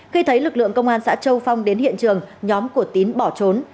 khi thấy lực lượng công an xã châu phong đến hiện trường nhóm của tín bỏ trốn